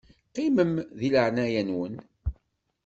Qqimem di leɛnaya-nwen.